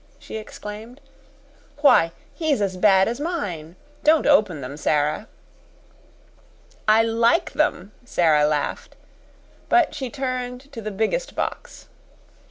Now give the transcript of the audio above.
she exclaimed. "Why, he's as bad as mine. Don't open them, Sara." "I like them," Sara laughed, but she turned to the biggest box.